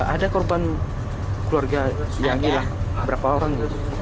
ada korban keluarga yang hilang berapa orang